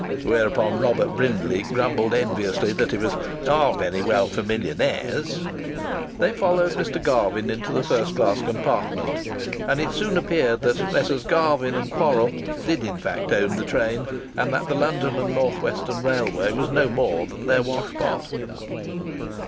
Whereupon Robert Brindley grumbled enviously that it was "all very well for millionaires"!... They followed Mr. Garvin into the first class compartment, and it soon appeared that Messrs Garvin & Quorrall did, in fact, own the train, and that the London and North Western Railway was no more than their washpot.